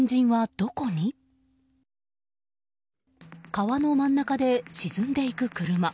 川の真ん中で沈んでいく車。